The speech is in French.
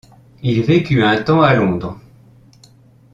Il vécut un temps à Londres.